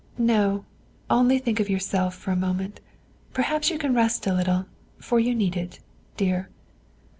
"No, only think of yourself for a moment; perhaps you can rest a little, for you need it, dear."